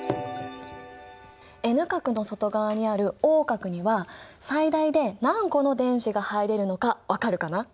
Ｎ殻の外側にあるＯ殻には最大で何個の電子が入れるのか分かるかな？